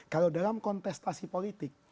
kalau dalam kontestasi politik